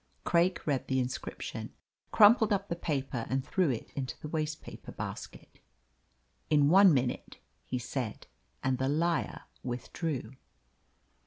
Craik read the inscription, crumpled up the paper, and threw it into the waste paper basket. "In one minute," he said, and the liar withdrew.